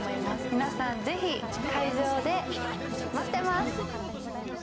皆さん、ぜひ会場で待ってます！